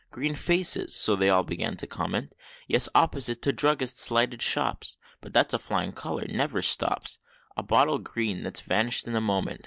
"Green faces!" so they all began to comment "Yes opposite to Druggists' lighted shops, But that's a flying color never stops A bottle green that's vanish'd in a moment.